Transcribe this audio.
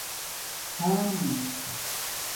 څیم